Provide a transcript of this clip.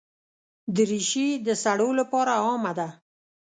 دریشي د سړو لپاره عامه ده.